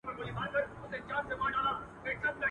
نه مشال د چا په لار کي، نه پخپله لاره وینم.